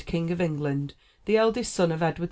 King of England, the eldest son of Edward II.